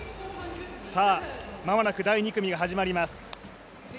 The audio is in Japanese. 間もなく第２組が始まります